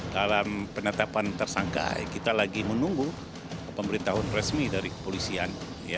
dalam penetapan tersangka kita lagi menunggu pemberitahuan resmi dari kepolisian